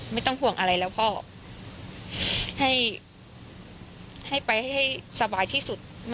ไม่ต้องห่วงอะไรแล้วพ่อให้ไปให้สบายที่สุด